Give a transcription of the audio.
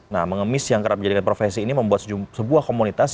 nah mengemis yang kerap dijadikan profesi ini membuat sebuah komunitas